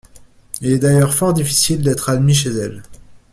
Il est d’ailleurs fort difficile d’être admis chez elle.